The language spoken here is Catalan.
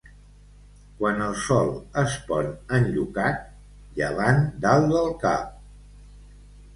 Quan el sol es pon enllocat, llevant dalt del cap.